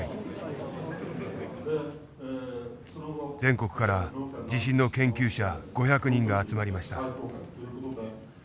全国から地震の研究者５００人が集まりました。